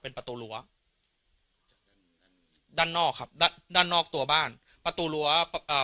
เป็นประตูรั้วด้านด้านนอกครับด้านด้านนอกตัวบ้านประตูรั้วอ่า